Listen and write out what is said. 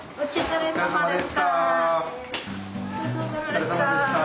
お疲れさまでした。